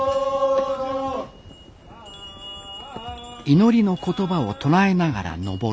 祈りの言葉を唱えながら登る。